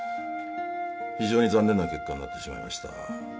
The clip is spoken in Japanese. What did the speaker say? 非常に残念な結果になってしまいました